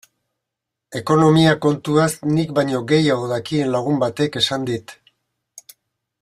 Ekonomia kontuaz nik baino gehiago dakien lagun batek esan dit.